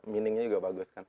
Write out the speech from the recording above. meaningnya juga bagus kan